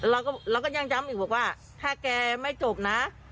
เราก็เราก็ยังจำอีกบอกว่าถ้าแกไม่จบน่ะ